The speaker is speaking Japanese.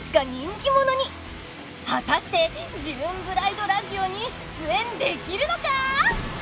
果たして『ジューンブライドラジオ』に出演できるのか！？